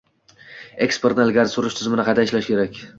Eksportni ilgari surish tizimini qayta ishlash kerak.